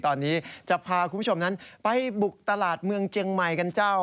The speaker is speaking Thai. ตอนนี้จะพาคุณผู้ชมนั้นไปบุกตลาดเมืองเจียงใหม่กันเจ้า